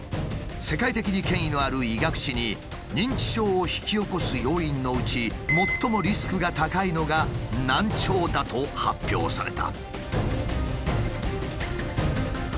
世界的に権威のある医学誌に認知症を引き起こす要因のうち最もリスクが高いのが難聴だと発表された。